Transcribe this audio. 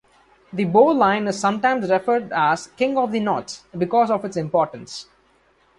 The bowline is sometimes referred as "King of the knots" because of its importance.